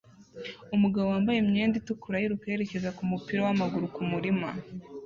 Umugabo wambaye imyenda itukura yiruka yerekeza kumupira wamaguru kumurima